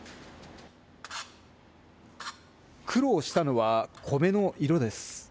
苦労したのは米の色です。